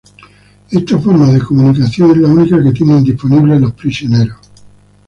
Esta forma de comunicación es la única que tienen disponible los prisioneros.